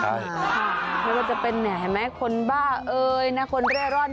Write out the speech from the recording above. ใช่ค่ะเพราะว่าจะเป็นไหนไหมคนบ้าเอ๋ยนะคนเร่อร่อน